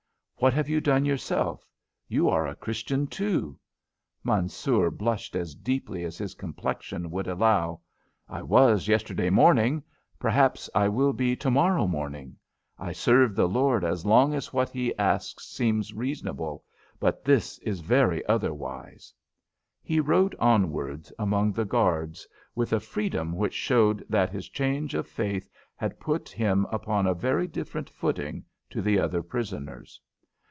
"What have you done yourself? You are a Christian, too." Mansoor blushed as deeply as his complexion would allow. "I was yesterday morning. Perhaps I will be to morrow morning. I serve the Lord as long as what He ask seem reasonable; but this is very otherwise." He rode onwards amongst the guards with a freedom which showed that his change of faith had put him upon a very different footing to the other prisoners.